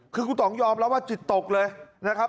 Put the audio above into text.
คือคุณต้องยอมรับว่าจิตตกเลยนะครับ